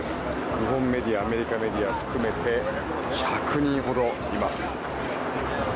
日本メディア、アメリカメディア含めて１００人ほどいます。